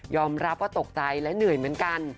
รับว่าตกใจและเหนื่อยเหมือนกัน